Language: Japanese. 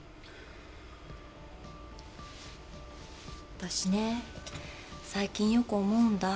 あたしね最近よく思うんだ。